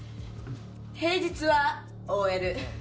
平日はＯＬ。